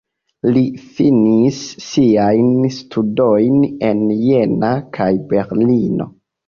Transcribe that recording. Li finis siajn studojn en Jena kaj Berlino.